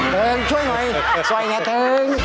เทิงช่วยหน่อยซ้ายหน่อยเทิง